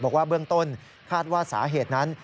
บอกว่าเบื้องต้นคาดว่าสาเหตุนั้น